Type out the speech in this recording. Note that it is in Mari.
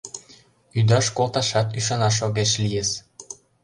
Ӱдаш колташат ӱшанаш огеш лийыс.